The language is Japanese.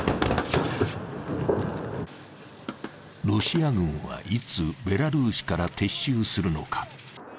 ロシア軍は、いつベラルーシから撤収するのか。